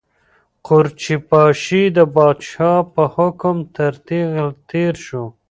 قورچي باشي د پادشاه په حکم تر تېغ تېر شو.